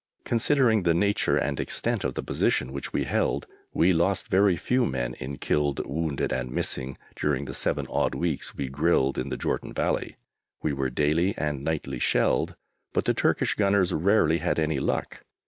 Considering the nature and extent of the position which we held, we lost very few men in killed, wounded, and missing during the seven odd weeks we grilled in the Jordan Valley. We were daily and nightly shelled, but the Turkish gunners rarely had any luck.